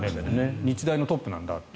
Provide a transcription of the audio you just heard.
日大のトップなんだからと。